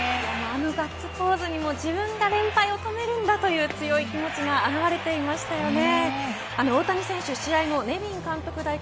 あのガッツポーズにも自分が連敗を止めるんだという強い気持ちが表れていましたよね。